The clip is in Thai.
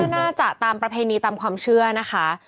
น่าจะตามประเพณีตามความเชื่อนะคะ